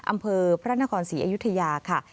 อำเภอพระนครศรีอยุธยาค่ะ